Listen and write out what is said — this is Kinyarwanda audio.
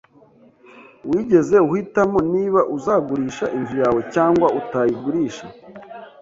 Wigeze uhitamo niba uzagurisha inzu yawe cyangwa utayigurisha?